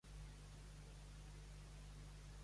Aquesta informació no és tota inclusiva.